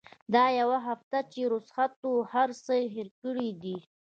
دا يوه هفته چې رخصت وه هرڅه يې هېر کړي دي.